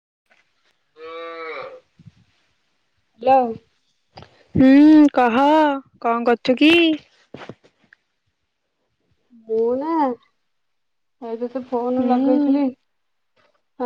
[unintelligible] Hello ହୁଁ କହ କଣ କରୁଛୁ କି? [unintelligible] ଏଇତ ସେ ଫୋନ ହୁଁ ଲଗଉଥିଲି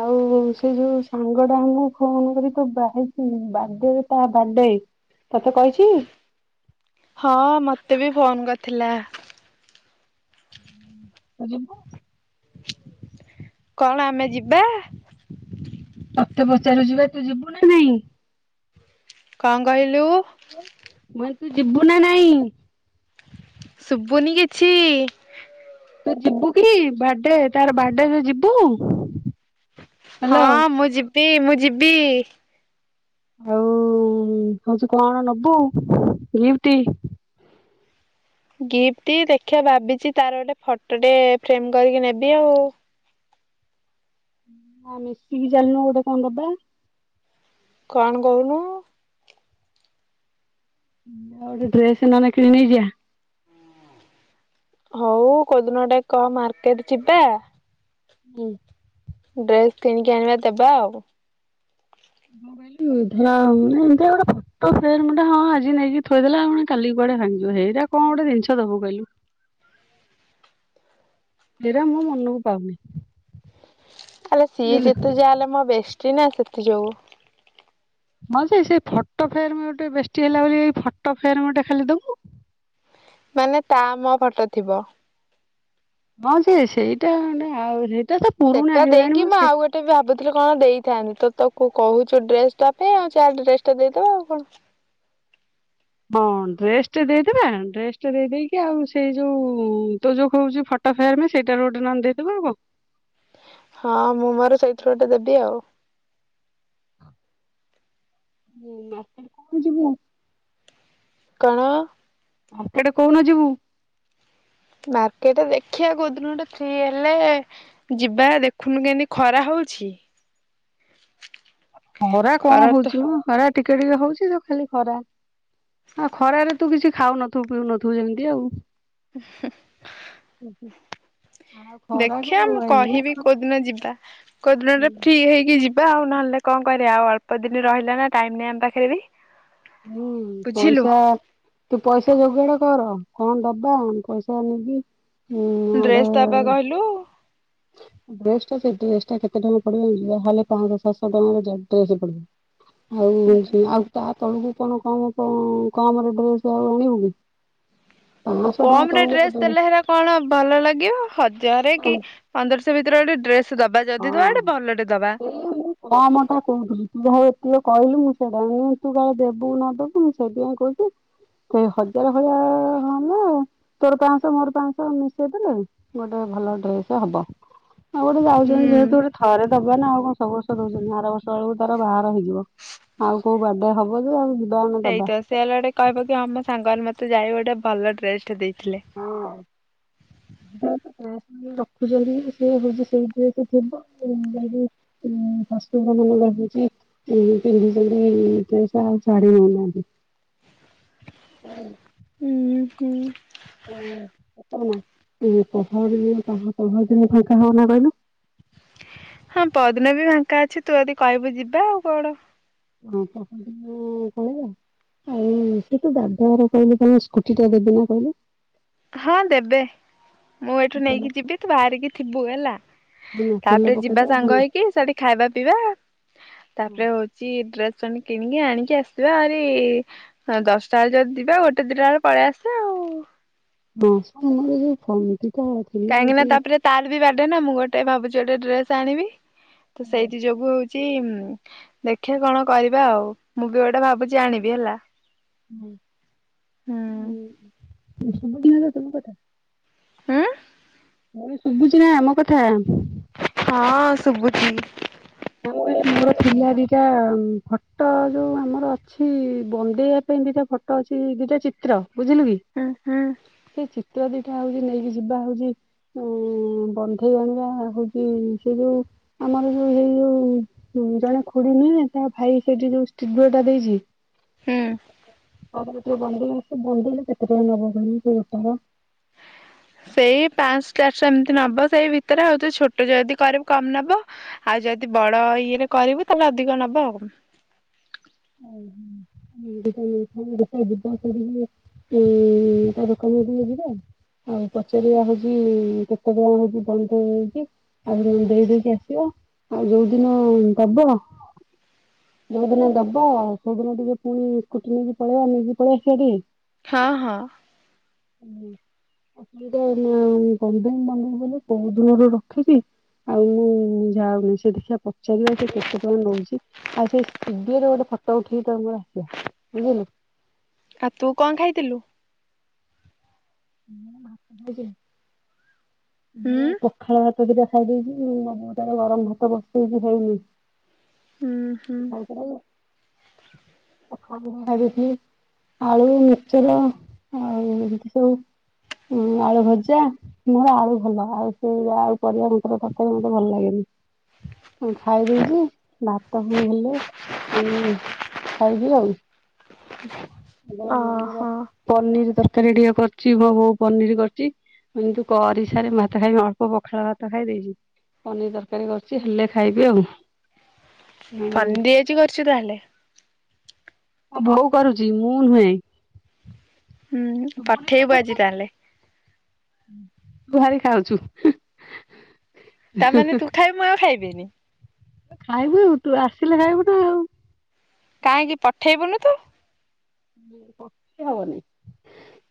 ଆଉ ସେ ଯୋଉ ସାଙ୍ଗଟାମକୁ ଫୋନ୍ କରି ତୋ ବହୁତ ବାଡେ ତା ବାଡେ ତତେ କହିଛି? ହଁଅଅ ମତେ ବି ଫୋନ କରିଥିଲା। ତ ଯ କଣ ଆମେ ଯିବା? ତତେ ପଚାରୁଛି ବା ତୁ ଯିବୁ ନା ନାଇଁ। କଣ କହିଲୁ? ମୁଇ ତୁ ଯିବୁ ନା ନାଇଁ। ଶୁଭୁନି କିଛି। ତୁ ଯିବୁ କି ବାର୍ଥଡେ ତାର ବାର୍ଥଡେ ରେ ଯିବୁ। ହ୍ୟାଲୋ ହଁ ମୁଁ ଯିବି ମୁଁ ଯିବି। ହଉ ହଉଛି କଣ ନବୁ ଗିଫ୍ଟ? ଗିଫ୍ଟ ଦେଖିବା ଭାବିଛି ତାର ଗୋଟେ ଫଟୋ ଟେ ଫ୍ରେମ କରିକି ନେବି ଆଉ। ମିଶିକି ଚାଲିନୁ ଗୋଟେ କଣ ଦବା? କଣ କହୁନୁ? ଗୋଟେ ଡ୍ରେସ ନ ହେଲେ କିଣିକି ନେଇ ଯିବା। ହଉ କୋଉଦିନ ଗୋଟେ କହ ମାର୍କେଟ ଯିବା? ହୁଁ। ଡ୍ରେସ କିଣିକି ଆଣିବା ଦେବା ଆଉ। ହତି ହଁ ଆଜି ନେଇକି ଥୋଇଦେଲା କାଲି କୁଆଡେ ଭାଙ୍ଗିବ ସେଇଟା କଣ ଗୋଟେ ଜିନିଷ ଦବୁ କହିଲୁ। ସେଇଟା ମୁଁ ମନକୁ ପାଉନି। ଆଲୋ ସିଏ ବୁଝିଲୁ ଯେତେ ଯାହା ହେଲେ ମୋ ବେଶ୍ ଷ୍ଟି ନା ସେଥି ଯୋଗୁଁ। ମ ସେ ସେ ଫଟୋ ଫ୍ରେମ୍ ଗୋଟେ ବେଷ୍ଟି ହେଲା ବୋଲି ଫଟୋ ଫ୍ରେମ୍ ଗୋଟେ ଖାଲି ଦବୁ। ମାନେ ତା ମୋ ଫଟୋ ଥିବ। ହଁ ଯେ ସେଇଟା ମାନେ ଆଉରି ସେଟା ଦେଇକି ମୁଁ ଆଉ ଗୋଟେ ବି ଭାବୁଥିଲି କଣ ଦେଇଥାନ୍ତି ତ ତକୁ କହୁଛୁ ଡ୍ରେସ ଟା ପାଇଁ ଆଉ ଚା ଡ୍ରେସ ଟା ଦେଇଦବା ଆଉ କଣ? ହଁ ଡ୍ରେସ ଟା ଦେଇଦେବା ଡ୍ରେସ ଟା ଦେଇେଇକି ଆଉ ସେଇ ଯୋଉ ତୁ ଯୋଉ କହୁଚୁ ଫଟୋ ଫ୍ରେମ୍ ସେଇଟାର ଗୋଟେ ନହେଲେ ଦେଇ ଦବା। ହଁ ମୁଁ ମର ସେଇ ଥିରୁ ଗୋଟେ ଦେବି ଆଉ ହୁଁ ଆରେ କଣ ଯିବୁ? କଣ? ହ ସେଇଟା କୋଉ ଯିବୁ। ମାର୍କେଟ ଦେଖିବା କୋଉ ଦିନ ଗୋଟେ ଫ୍ରୀ ହେଲେ ଯିବା ଦେଖୁନୁ କେମତି ଖରା ହଉଛି। ଖରା କଣ ହଉଛି ଖରା। ଟିକେ ଟିକେ ହଉଛି ଯୋଉ ଖାଲି ଖରା ଆ ଖରାରେ ତୁ କିଛି ଖାଉନଥିବୁ ପିଉନଥିବୁ ଯେମିତି ଆଉ। ହୁଁ ଆଉ ଖରାକୁ ଦେଖିବା ମୁଁ ଏଇ କହିବି ଖରା କୋଉଦିନ ଯିବା କୋଉଦିନରେ ଫ୍ରି ହେଇକି ଯି ଏବେ ଆଉ ନହେଲେ କଣ କରିବା ଆଉ ଅଳ୍ ଦିନ ରହିଲା ନା ଟାଇମ ନାଇଁ ଆମ ପାଖରେ ବି। ହୁଁ ବୁଝିଲୁ ପଇସା ତୁ ପଇସା ଯୋଗାଡ କର। କଣ ଦବା ପଇସା ନେବି। ଡ୍ରେସ୍ ଦବା କହିଲୁ? ଡ୍ରେସ୍ ଟା କେତେ ଟଙ୍କା ପଡିବ ଯ ହେଲେ ପାଞ୍ଚଶହ ସାତଶହ ଟଙ୍କାର ଟ୍ରେସ ପଡିବ। ଆଉ ଆଉ ତା ତଳୁକୁ କଣ କମ କାମରେ ଡ୍ରେସ ଆଉ ଆଣିବୁ କି ପାଞ୍ଚଶହ ଟଙ୍କା କମ ରେଟ୍ ରେ ତଳକୁ ଦେଲେ ହେଲେ କଣ ଭଲ ଲାଗିବ ହ ଯାହାରରେ କି ଆଉ ପନ୍ଦରଶହ ଭିତରେ ଗୋଟେ ଡ୍ରେସ ଦବା ଯଦି ଦବା ହଁ ଗୋଟେ ଭଲଟେ ଦବା ସେଇ ମୁଁ କମ ଟା କହୁଥିଲି ତୁ ଯାହା ଏତିକ କହିଲୁ ମୁଁ ହଉ ତୁ ଯାହା ଦେବୁ ନଦବୁ ମୁଁ ସେଇଥିପାଇଁ କହୁଛି ସେ ହଜାର ଭଳିଆ ହେଲେ ତୋର ପାଞ୍ଚଶହ ମୋର ପାଞ୍ଚଶହ ମିଶେଇ ଦେଲେ ଗୋଟେ ଭଲ ଡ୍ରେସ ହବ। ହଉ ମୁଁ ଯାଉଛି। ଯେହେତୁ ଗୋଟେ ଥରେଦବା ନା ଆଉକଣସବୁ ବର୍ଷ ଦଉଛନ୍ତି ଆର ବର୍ଷ ଗୋ ବାହାର ହେଇଛି। ଆଉ କୋଉ ବାଦ ହବ ଯେ ଆଉ ଯିବା ଆମେ ବାଦ ତ ଯାଇହଉ ଗୋଟେ ଭଲ ଡ୍ରେସ ଟେ ଦେଇ ହଁ। ରଖୁଛନ୍ତି ସେ ହଉଛି ସେଇଥି ତ ଥିବ ଶଶୁର ମାନେ ରଖୁଛି ପିନ୍ଧିଛନ୍ତି ଆଉ ଛାଡି ନଉନାହାନ୍ତି। ହୁଁ। ହୁଁ ହୁଁ। ଓ ପହର ଦିନ ପର ଦିନ ଫାଙ୍କା ହବନା କହିଲୁ। ହଁ ପହର ଦିନ ବି ଫାଙ୍କା ଅଛି ତୁ ଯଦି କହିବୁ ଯିବା ଆଉ କଣ? [inaudible] ଦାଦାଘର କହିଲୁ କଣ ସ୍କୁଟି ଟା ଦେବି ନା କହିଲୁ। ହଁ ଦେବେ। ମୁଁ ଏଇଠୁ ତେଲ ନେଇକି ଯିବି ତୁ ବାହାରିକି ଥିବ ବୁଏଲା। ହଁ ତେଲ ତାପରେ ଯିବା ପକେଇଦବା ହଁ ସାଙ୍ଗ ହେଇକି ସେଠି ଖାଇବା ପିଇବା ତାପରେ ହଉଛି ଡ୍ରେସ କିଣିକି ଆଣିକି ଆସିବା ହାରି ଦଶଟା ବେଳେ ଯଦି ଯିବା ଗୋଟେ ଦିଟା ବେଳକୁ ପଳେଇ ଆସିବା ଆଉ। [inaudible] ଥିଲା କାହିଁକିନା ହଉଛି ତାପରେ ତାର ବି ବା ଗୋଟେ ନା ମୁଁ ଗୋଟେ ଭାବୁଛି ଗୋଟେଡ୍ରେସ ଆଣିବି। ତ ସେଇଥି ଯୋଗୁ ଦେଖେ କଣ କରିବା ଆଉ ମୁଁ ବି ଗୋଟେ ଭାବୁଛି ଆଣିବି ହେଲା। ହୁଁ [inaudible] ହୁଁ। [unintelligible] କଥା [inaudible] ହଁ ମୁଁ ଶୁଭୁଛି ନା ଆମ କଥା। ହଁ ଶୁଭୁଛିି। ଆ ମୋର ଥିଲା ଦିଟା ଫଟୋ ଯୋଉ ଆମର ଅଛି ବନ୍ଦେଇବା ପାଇଁ ଦିଟା ଫଟୋ ଅଛି ଦିଟା ଚିତ୍ର। ବୁଝିଲୁ କି ହୁଁ ହୁଁ ସେଇ ଚିତ୍ର ଦି ଏଟା ହଉଛି ନେଇକି ଯିବା ହଉଛି ଉ ବନ୍ଧେଇ ଆଣିବା ହଉଛି ସେ ଯୋଉ ଆମର ଯୋଉ ଯୋଉ ଜଣେ ଖୁଡିନାହିଁ ନା ତା ଭାଇ ସେଇଠି ଯୋଉ ଷ୍ଟୁଡିଓ ଟା ଦେଇଛି। ହୁଁ ଅବକୃତ୍ୟ ବହିରେ ସେ ବନ୍ଦେଇଲେ କେତେ ଟଙ୍କା ନବ କହିଲୁ ସେ ଗୋଟାର? ସେଇ ପାନ୍ସଟା ସେମତି ନବ ସେଇ ଭିତରେ ଆଉ ତୁ ଛୋଟ ଯଦି କରିବୁ କମ ନବ, ଆଉ ଯଦି ବଡ ଇଏରେ କରିବୁ ତାହେଲେ ଅଧିକ ନବ ଉ ଓହୋ ମୁଁ ବି କାଲି ନେଇଥାଆନ୍ତି, ଦେଖିଆ ଯିବା ସେଠିକିରେ ଏ ତା ଦୋକାନକୁ ଦିନେ ଯିବା, ଆଉ ପଚାରିବା ହଉଚି କେତେ ଟଙ୍କା ହଉଚି ବନ୍ଧା ହଉଚି ଆଉ ତାକୁ ଦେଇ ଦେଇକି ଆସିବା ଆଉ ଯୋଉ ଦିନ ଦବ ଯୋଉ ଦିନ ଦ ତ ସେଦିନ ଟିକେ ପୁଣି ସ୍କୁଟି ନେଇକି ପଳେଇବା ନେଇକି ପଳେଇ ଆସିବା ଟିକେ। ହଁ, ହଁ। ନେଇ ଅସୁବିଧା ନା କଣ ପାଇଁ ମନା କଲ ପରଦିନର ରଖିଚି ଆଉ ମୁଁ ଯାଉନି ସେ ଦେଖିବା ପ ଚାରିିବା ସେ କେତେ ଟଙ୍କା ନଉଚି? ଆଉ ସେଇ ସିଡିଏ ରେ ଗୋଟେ ଫୋଟ ଉଠେଇ ତୋର ମୋର ଆସିବା ବୁଝିଲୁ। ଆଉ ତୁ କଣ ଖାଇଥିଲୁ? ହଁ ତୁ ଖାଇଥିଲୁ। ମୁଁ ହୁଁ ଏ ପଖାଳ ଭା ତ ଦିଟା ଖାଇ ଦେଇଚି, ମମି ତାର ଗରମ ଭାତ ବସେଇଚି ହେଇନି। ଉଁ ହୁଁ। ଫଖାଳ ଦିଟା ଖାଇଦେଇଥିଲି, ଆଳୁ ମିକଚର୍ ଆଉ ଏମିତି ସବୁ ଉଁ, ଆଳୁ ଭଜା ମୋର ଆଳୁ ଭଲ ଆଉ ସେ ଆଉ ପରିବା ମତ୍ର ତାଙ୍କର ମୋତେ ଭଲ ଲାଗେନି ଅଁ, ଖାଇ ଦେଇଚି ଭାତ ହୁଁ ହେଲେ ଏଁ ଖାଇବି ଆଉ। ଆଚ୍ଛା। କେବଳ ମୁଁ ଆମର ଓହୋ ପନିର୍ ତର କାରୀ ଟିକେ କରିଚି ମୋ ବୋଉ ପନିର୍ କରିଚି, ମୁଁ କିନ୍ତୁ କରି ସାରି ଭାତ ଖାଇମି ଅଳ୍ପ ପଖାଳ ଭାତ ଖାଇ ଦେଇଚି, ପନିର୍ ତରକାରୀ କରିଚି, ହେଲେ ଖାଇବି ଆଉ। ଆଉ ମୋ ଫଣ୍ଡି ଆଜି କରଚୁ ତାହେଲେ। ମୋ ବୋଉ କରୁଚି, ମୁଁ ନୁହେଁ। ହୁଁ ଶୁଭୁନି କିଲୋ ପଠେଇବୁ ଆଜି ତତେ ତାହେଲେ। ଭାରି ଖାଉଚୁ। ତା ମାନେ ତୁ ଖାଇବୁ ମୁଁ ଆଉ ଖାଇବି ନି। ତୁ ଖାଇବୁ ଆଉ ତୁ ଆସିଲେ ଖାଇବୁ ନା ଆଉ। କାଇଁକି ପଠେଇ ବୁନୁ ତୁ? ଇଏ ପଠା ହବନି,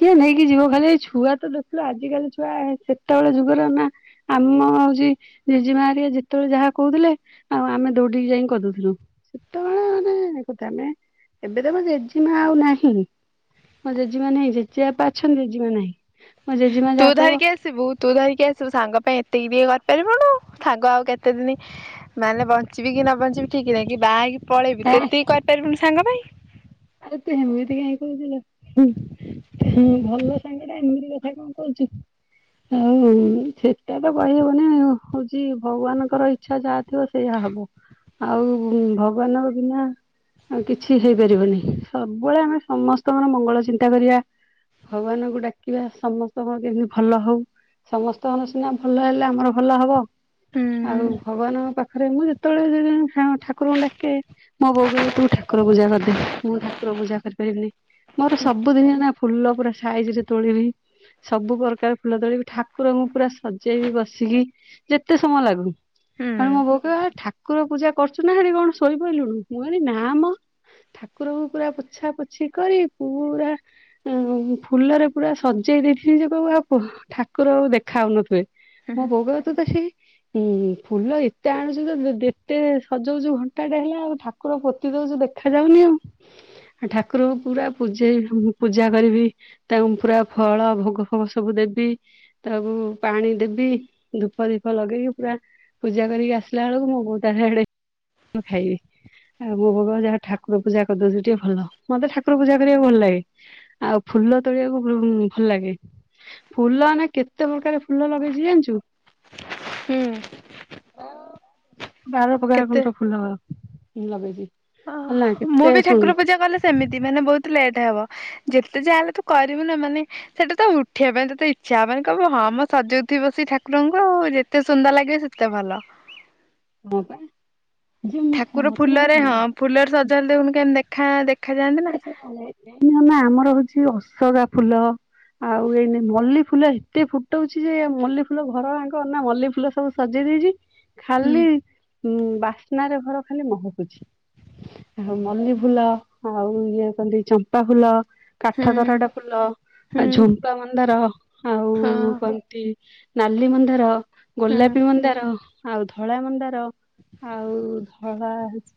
କିଏ ନେଇକି ଯିବ ଖାଲି ଏ ଛୁଆ ତ ଦେଖିଲୁ ଆଜିିକାଲି ଛୁଆ ସେତେବେଳେ ଯୁଗର ନା ଆମ ହଉଚି ଜେଜେମାା ହେରିଆ ଯେତେବେଳେ ଯାହା କହୁଥିଲେ ଆଉ ଆମେ ଦୌଡିକି ଯାଇକି କରିଦଉଥୁଲୁ, ସେତେବେଳେ ମାନ କଥା ଆମେ ଏବେ ତ ମୋ ଜେଜେମା ଆଉ ନାହିଁ ମୋ ଜେଜେମା ନାହିଁ ଜେଜେବାପା ଅଛନ୍ତି ଜେଜେମା ନାହିଁ। ମୋ ଜେଜେମା ତୁ ଯାହା କହିବ ଧରିକି ଆସିବୁ, ତୁ ଧରିକି ଆସିବୁ, ସାଙ୍ଗ ପାଇଁ ଏତିକି ଦି କର କରିବୁନୁ ସାଙ୍ଗ ଆଉ କେତେ ଦିନି ମାନେ ବଞ୍ଚିବି କି ନ ବଞ୍ଚିବି ଠିକ ନାଇଁ କି ବାହା ହେଇକି ପଳେଇବି ହେ ତୁ ଏତିକି କରିପାରିବୁନି ସାଙ୍ଗ ପାଇଁ। ଆରେ ତୁ ହେମିତି କାଇଁକି କହୁଚୁ ଲୋ ହୁଁ, ହୁଁ ଭଲ ସାଙ୍ଗଟା ଏମିତି କଥା କଣ କହୁଚୁ, ଆଉ ସେ ଏବେ କହିହେବନା ଅ ହଉଚୁ ଯେ ଭଗବାନଙ୍କର ଇଚ୍ଛା ଯାହା ଥିବ ସେଇୟା ହବ। ଆଉ ଭଗବାନଙ୍କ ବିନା କିଛି ହେଇପାରିବନି। ସବୁବେଳେ ଆମେ ସମସ୍ତଙ୍କର ମଙ୍ଗଳ ଚିନ୍ତା କରିବା ଭଗବାନଙ୍କୁ ଡାକିବା ସମସ୍ତଙ୍କ କେମିତି ଭଲ ହଉ ସମସ୍ତଙ୍କର ସିନା ଭଲ ହେଲେ ଆମର ଭଲ ହବ। ଆଉ ହୁଁ। ଭଗବାନଙ୍କ ପାଖ। ଆରେ ମୁଁ ଯେତେବେଳେ ଯଉଁଦିନ ଠାକୁରଙ୍କୁ ଡାକେ ମୋ ବୋଉ କହିବ ତୁ ଠାକୁର ପୂଜା କରିଦେ। ଠାକୁର ପୂଜା କରିପାରିବିନି ମୋର ସବୁ ଦିନେ ନା ଫୁଲ ପୁରା ସାଇଜ ରେ ତୋଳିବି ସବୁ ପ୍ରକାର ଫୁଲ ତୋଳିବି ଠାକୁରଙ୍କୁ ପୁରା ସଜେଇବି ବସିକି ଯେତେ ସମୟ ଲାଗୁ ଆ ମୋ ହୁଁ ବୋଉ କହିବ ଠାକୁର ପୂଜା କରୁଛୁ ନା ଏଠି କଣ ଶୋଇପଡିଲୁ ମୁଁ କହିଲି ନାମ ଠାକୁରକୁ ପୁରା ପୋଛା ପୋଛି କରି ପୁରା ଫୁଲରେ ପୁରା ସଜେଇ ଦେଇଥିଲି ଯେ ଇୟାକୁ ଆଉ ଠାକୁର ଆଉ ଦେଖା ହାଉନଥିବେ ମ ଭୋଗ ତ ଏତେ ହେଇ ହୁଁ ହୁଁ ଫୁଲ ଏତେ ଆଣୁଛୁ ତ ଯେତେ ସଜଉଛୁ ଘଣ୍ଟାଟା ହେଲା ଆଉ ଠାକୁର ପୋତି ଦଉଛୁ ଦେଖାଯାଉନି ଆଉ ଠାକୁର ପୁରା ପୂଜେଇ ପୂଜା କରିବି ତାଙ୍କୁ ପୁରା ଫଳ ଭୋଗ ଫୋଗ ସବୁ ଦେବି ତାକୁ ପାଣି ଦେବି ଧୂପ ଦିପ ଲଗେଇକି ପୁରା ପୂଜା କରିକି ଆସିଲା ବେଳକୁ ମୋ ବୋଉ ତା ଆଡେ ମୁ ଖାଇବି ଆଉ ମୋ ଭଗ ଯାହା ଠାକୁର ପୂଜା କରିଦେଉଛି ଟିକେ ଭଲ ମତେ ଠାକୁର ପୂଜା କରିବାକୁ ଭଲ ଲାଗେ ଆଉ ଫୁଲ ତୋଳିବାକୁ ଭଲ ଲାଗେ ଫୁଲନା କେତେ ପ୍ରକାର ଫୁଲ ଲଗେଇଛି ଜାଣିଛୁ ହୁଁ ବାର ପ୍ରକାର ଫୁଲ ତ ଫୁଲ ମୁଁ ଲଗେଇଚି। ଓ ମୁଁ ବି ଠାକୁର ପୂଜା କଲେ ସେମିତି ମାନେ ବହୁତ ଲେଟ୍ ହେବ ଯେତେ ଯାହା ହେଲେ ତୁ କରିବୁ ନା ମାନେ ସେଟା ତ ଉଠିବା ପାଇଁ ତତେ ଇଚ୍ଛା ହଵନି ମାନେ କହିବୁ ହଁ ମୋ ସଜଉଥିବି ସେଇ ଠାକୁରଙ୍କୁ ଆଉ ଯେତେ ସୁନ୍ଦର ଲାଗେ ସେତେ ଭଲ ମୁଁ ବା ଯେ ଠାକୁର ଫୁଲରେ ହଁ ଫୁଲରେ ସଜାନ୍ତି [inaudible] ଦେଖା ଦେ ନା ଆମର ହଉଛି ଅସକା ଫୁଲ ଆଉ ଏଇନା ମଲ୍ଲୀ ଫୁଲ ଏତେ ଫୁଟଉଛି ଯେ ମଲ୍ଲୀ ଫୁଲ ଘର ଆଗନା ମଲଲ୍ଲୀ ଫୁଲ ସବୁ ସଜେଇ ଦେଇେଛି ହୁଁ ଖାଲି ହୁଁ ବାସ୍ନାରେ ଘର ଖାଲି ମହକୁଛି ମଲ୍ଲିଲ ଫୁଲ ଆଉ ଇଏ କଲି ଚମ୍ପା ଫୁଲ କାଠ ହୁଁ ଦରଟା ଫୁଲ ଆ ହୁଁ ଝୁମ୍ପା ମନ୍ଦାର ଆଉ ହଁ କହନ୍ତି। ନାଲି ମନ୍ଦାର ହୁଁ ଗୋଲାପୀ ମନ୍ଦାର ଆଉ ଧଳା ମନ୍ଦାର। ର ଆଉ ଧଳା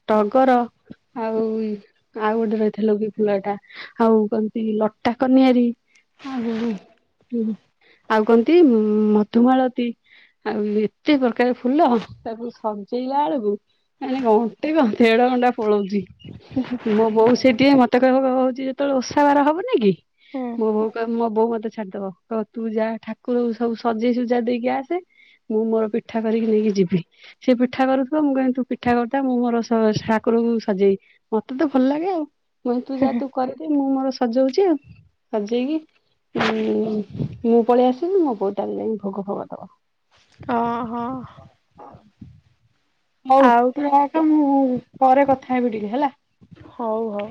ଟଗର ଆଉ ଆଉ ଗୋଟେ ରହିଥାଲୋ କି ଫୁଲ ଏଟା ଆଉ କହନ୍ତି ଲଟାକନିଆରୀ ଆଉ ଆଉ କହନ୍ତି ମଧୁମାଳତୀ ଆଉ ଏତେ ପ୍ରକାର ଫୁଲ ତାକୁ ସଜେଇଲା ବେଳକୁ ମାନେ ଘଣ୍ଟେ କି ଦେଢ ଘଣ୍ଟା। ହୁଁ ହୁଁ। ହଉ ସେ ଟିଏ ମୋତେ କହିବ ହେଉଛି ଯେତେବେଳେ ଓଷା ବାର ହେବନି କି ମୋ ହୁଁ ବୋଉ କହିବ ମୋ ବୋଉ ମତେ। ଛାଡି ଦବ ତୁ ଯା ଠାକୁର ସବୁ ସଜେଇ ସୁଜା ଦେଇକି ଆସେ ମୁଁ ମୋର ପିଠା କରିକି ନେଇକି ଯିବି ସେ ପିଠା କରୁଥିବ ମୁଁ କି ତୁ ପିଠା କରୁଥା ମୁଁ ମୋର ଠାକୁରକୁ ସଜେଇ ମ ତତେ ଭଲ ଲାଗେ ଆଉ। ମୁଇଁ ତୁ ଯାହା ତୁ କରିବେ ମୁଁ ମୋର ସଜଉଛି ଆଉ ସଜେଇକି ଉଁ ମୁଁ ପଳେଇ ଆସିଲି ମୋ ବୋଉ ତାର ଯାଇ ଭୋଗ ଫୋଗ ଦବ। ଓହୋ। ହଉ ତୁ ରଖ ମୁଁ ପରେ କଥା ଖାଇବୁ ଟିକେ ହେଲା। ହଉ ହଉ।